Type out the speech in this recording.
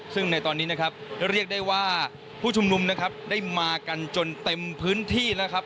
ซึ่งในตอนนี้นะครับเรียกได้ว่าผู้ชุมนุมนะครับได้มากันจนเต็มพื้นที่แล้วครับ